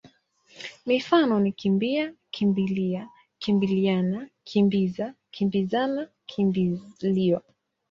Mifano ni kimbi-a, kimbi-lia, kimbili-ana, kimbi-za, kimbi-zana, kimbi-liwa.